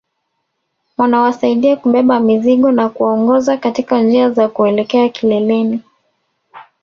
Wanawasaidia kubeba mizigo na kuwaongoza katika njia za kuelekea kileleni